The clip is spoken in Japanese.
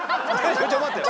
ちょっと待ってよ。